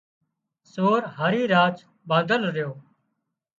سور هارِي راچ ٻانڌل ريو